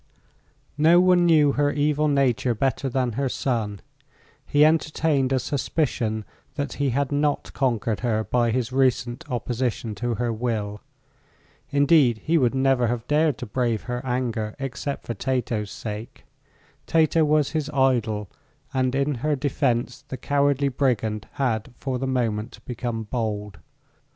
No one knew her evil nature better than her son. He entertained a suspicion that he had not conquered her by his recent opposition to her will. Indeed, he would never have dared to brave her anger except for Tato's sake. Tato was his idol, and in her defense the cowardly brigand had for the moment become bold.